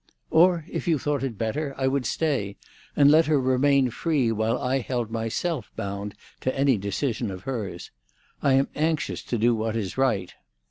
Or, if you thought it better, I would stay, and let her remain free while I held myself bound to any decision of hers. I am anxious to do what is right.